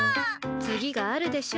次があるでしょ。